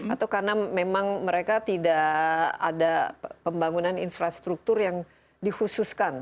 atau karena memang mereka tidak ada pembangunan infrastruktur yang dikhususkan